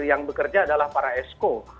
yang bekerja adalah para esko